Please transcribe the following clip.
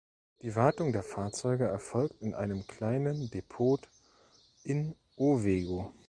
Die Wartung der Fahrzeuge erfolgt in einem kleinen Depot in Owego.